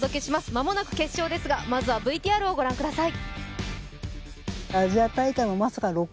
間もなく決勝ですがまずはＶＴＲをご覧ください。